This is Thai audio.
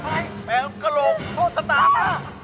ไอ้แมวกะโหลกโทษตามา